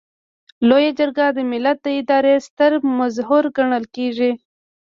لویه جرګه د ملت د ادارې ستر مظهر ګڼل کیږي.